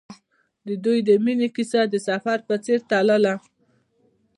د دوی د مینې کیسه د سفر په څېر تلله.